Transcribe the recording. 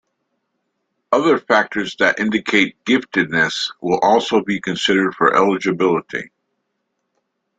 Other factors that indicate giftedness will also be considered for eligibility.